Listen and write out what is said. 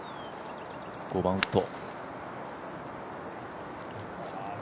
５番ウッド。